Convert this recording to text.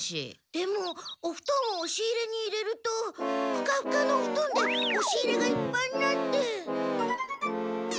でもおふとんをおし入れに入れるとフカフカのおふとんでおし入れがいっぱいになって。